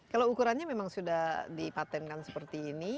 kalau ukurannya memang sudah dipatenkan seperti ini